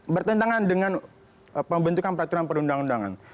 bertentangan dengan pembentukan peraturan perundang undangan